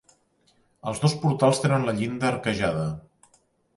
Els dos portals tenen la llinda arquejada.